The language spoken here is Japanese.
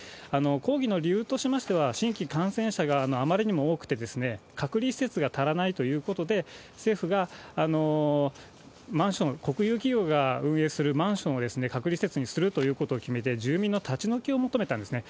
抗議の理由としましては、新規感染者があまりにも多くて、隔離施設が足らないということで、政府がマンション、国有企業が運営するマンションを隔離施設にするということを決めて、住民の立ち退きを求めたんですね。